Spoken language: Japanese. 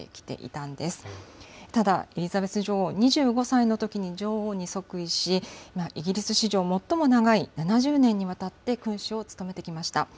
ただ、エリザベス女王、２５歳のときに女王に即位し、イギリス史上最も長い７０年にわたって君主を務めてきました。